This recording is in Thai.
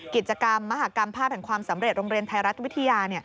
กิจกรรมมหากรรมภาพแห่งความสำเร็จโรงเรียนไทยรัฐวิทยา